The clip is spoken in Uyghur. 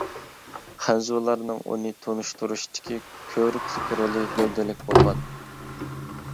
خەنزۇلارنىڭ ئۇنى تونۇشتۇرۇشتىكى كۆۋرۈكلۈك رولى گەۋدىلىك بولغان.